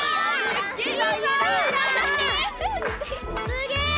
すげえ！